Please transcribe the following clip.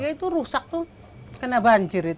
itu rusak kena banjir